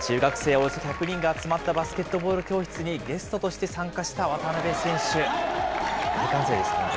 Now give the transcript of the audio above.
およそ１００人が集まったバスケットボール教室に、ゲストとして参加した渡邊選手。